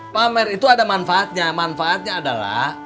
pamer itu ada manfaatnya manfaatnya adalah